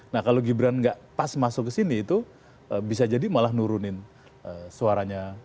nah kalau gibran enggak pas masuk kesini itu bisa jadi malah nurunin suaranya